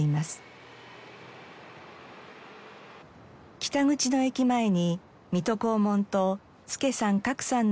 北口の駅前に水戸黄門と助さん格さんの像があります。